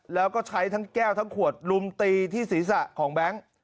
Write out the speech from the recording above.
แล้วก็ใช้ทั้งแก้วทั้งขวดลุมตีที่ศีรษะของแบงค์